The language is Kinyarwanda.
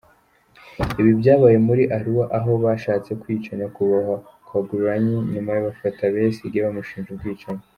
Ibi byabaye muri Arua aho bashatse kwica Nyakubahwa Kyagulanyi nyuma bafata Besigye bamushinja ubwicanyi.